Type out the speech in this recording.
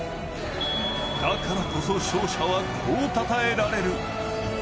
だからこそ勝者はこうたたえられる。